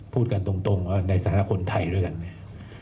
พูดกันตรงในสถานกลุ่มไทยด้วยกันเนี่ย